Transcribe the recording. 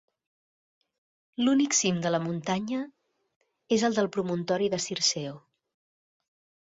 L'únic cim de la muntanya és el del promontori de Circeo.